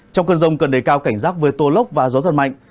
trong cơn rông cần đề cao cảnh giác với tô lốc và gió giật mạnh